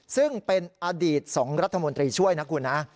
ซึ่งเป็นอดีต๒รัฐมนตรีช่วยนะคุณนะ